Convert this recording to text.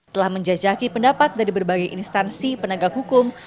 telah menjajaki pendapat dari berbagai instansi penegak hukum